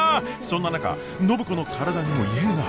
そんな中暢子の体にも異変が！？